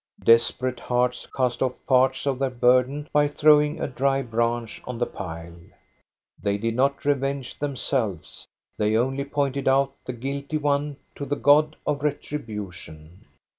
Desperate hearts cast off part of their burden by throwing a dry branch on the pile. They did not revenge themselves. They only pointed out the guilty one to the God of retribution.